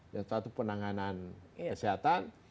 yang satu penanganan kesehatan